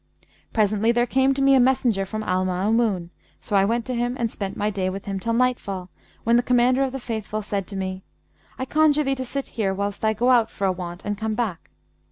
Presently there came to me a messenger from Al Maamun; so I went to him and spent my day with him till nightfall, when the Commander of the Faithful said to me, 'I conjure thee to sit here, whilst I go out for a want and come back.'